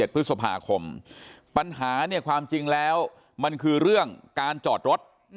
พฤษภาคมปัญหาเนี่ยความจริงแล้วมันคือเรื่องการจอดรถ